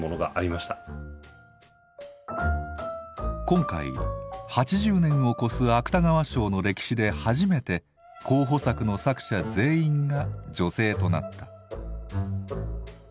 今回８０年を超す芥川賞の歴史で初めて候補作の作者全員が女性となった。